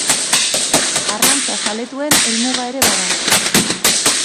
Arrantza zaletuen helmuga ere bada.